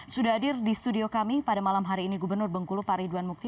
sudah hadir di studio kami pada malam hari ini gubernur bengkulu pak ridwan mukti